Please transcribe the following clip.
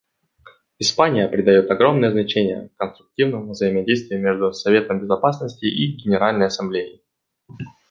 Испания придает огромное значение конструктивному взаимодействию между Советом Безопасности и Генеральной Ассамблеей.